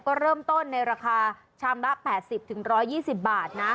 ก็เริ่มต้นในราคาชามละ๘๐๑๒๐บาทนะ